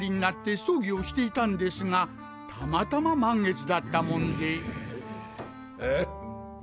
葬儀をしていたんですがたまたま満月だったもんであ？